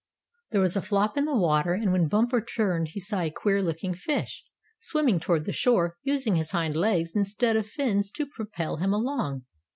There was a flop in the water, and when Bumper turned he saw a queer looking fish swimming toward the shore, using his hind legs instead of fins to propel him along.